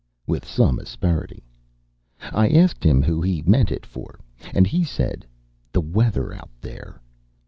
with some asperity. I asked him who he meant it for, and he said, "The weather out there."